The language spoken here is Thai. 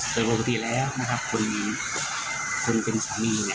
เป็นปกติแล้วนะครับคนเป็นสามี